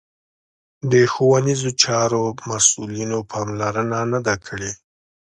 د ښوونیزو چارو مسوولینو پاملرنه نه ده کړې